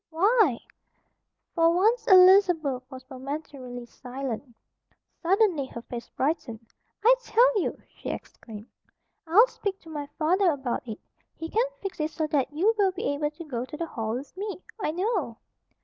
"Why " For once Elizabeth was momentarily silenced. Suddenly her face brightened. "I tell you!" she exclaimed. "I'll speak to my father about it. He can fix it so that you will be able to go to the Hall with me, I know."